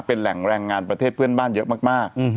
เป็นแหล่งแรงงานประเทศเพื่อนบ้านเยอะมาก